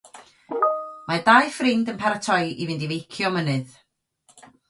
Mae dau ffrind yn paratoi i fynd i feicio mynydd.